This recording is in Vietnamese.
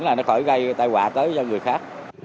là nó khỏi gây tai họa tới cho người khác